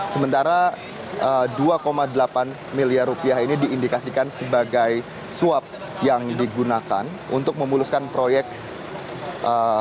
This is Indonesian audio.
sementara dua delapan miliar rupiah ini diindikasikan sebagai suap yang digunakan untuk memuluskan proyek